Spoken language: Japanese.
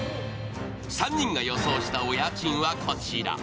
３人が予想したお家賃はこちら。